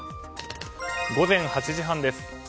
午前８時半です。